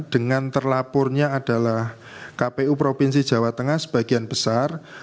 dengan terlapornya adalah kpu provinsi jawa tengah sebagian besar